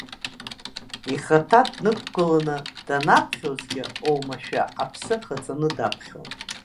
Ихаҭа днықәгыланы данаԥхьозгьы, оумашәа аԥсы ахаҵаны даԥхьон.